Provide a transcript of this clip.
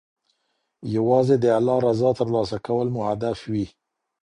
یوازې د الله رضا ترلاسه کول مو هدف وي.